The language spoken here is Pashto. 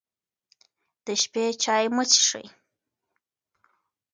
د شپې چای مه څښئ.